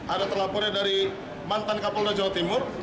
ada terlapornya dari mantan kapolda jawa timur